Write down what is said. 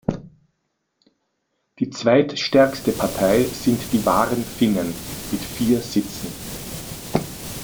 Die zweitstärkste Partei sind die Wahren Finnen mit vier Sitzen.